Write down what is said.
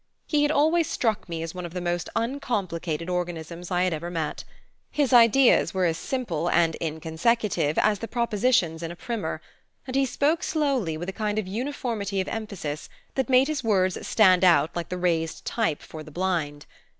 He had always struck me as one of the most uncomplicated organisms I had ever met. His ideas were as simple and inconsecutive as the propositions in a primer, and he spoke slowly, with a kind of uniformity of emphasis that made his words stand out like the raised type for the blind.